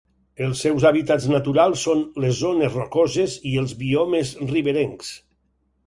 Els seus hàbitats naturals són les zones rocoses i els biomes riberencs.